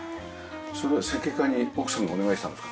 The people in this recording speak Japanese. それは設計家に奥さんがお願いしたんですか？